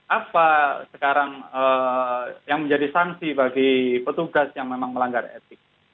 apa sekarang yang menjadi sanksi bagi petugas yang memang melanggar etik